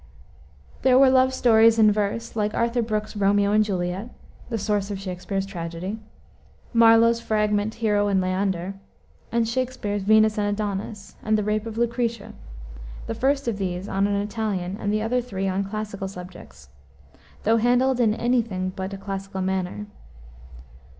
There were love stories in verse, like Arthur Brooke's Romeo and Juliet (the source of Shakspere's tragedy), Marlowe's fragment, Hero and Leander, and Shakspere's Venus and Adonis, and Rape of Lucrece, the first of these on an Italian and the other three on classical subjects, though handled in any thing but a classical manner.